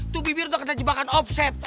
tuh bibir lo kena jebakan offset